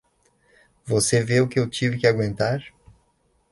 Você vê o que eu tive que aguentar?